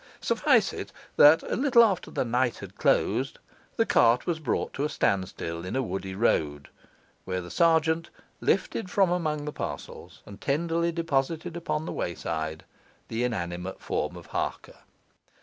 Suffice it, that a little after the night had closed, the cart was brought to a standstill in a woody road; where the sergeant lifted from among the parcels, and tenderly deposited upon the wayside, the inanimate form of Harker.